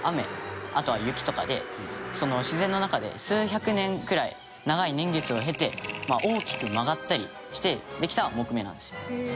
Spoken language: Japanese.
あとは雪とかでその自然の中で数百年くらい長い年月を経て大きく曲がったりしてできた杢目なんですよ。